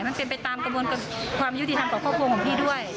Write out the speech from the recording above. มันเป็นไปตามกระบวนความยุติธรรมของพี่ด้วย